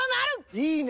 いいね！